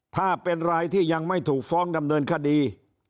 ถ้าเป็นรายที่ยังไม่ถูกฟ้องดำเนินคดี